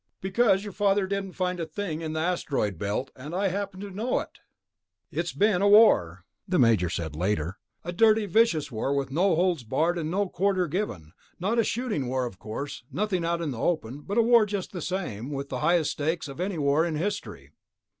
"Because your father didn't find a thing in the Asteroid Belt, and I happen to know it." "It's been a war," the Major said later, "a dirty vicious war with no holds barred and no quarter given. Not a shooting war, of course, nothing out in the open ... but a war just the same, with the highest stakes of any war in history.